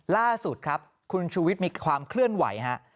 ล่าสุดครับคุณชูวิทย์มีความเคลื่อนไหวฮะ